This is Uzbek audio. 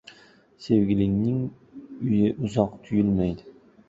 • Sevgilingning uyi uzoq tuyulmaydi.